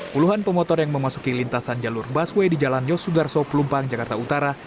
puluhan pemotor yang memasuki lintasan jalur busway di jalan yosudarso pelumpang jakarta utara